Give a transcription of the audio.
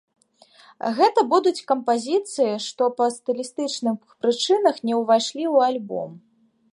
Гэта будуць кампазіцыі, што па стылістычных прычынах не ўвайшлі ў альбом.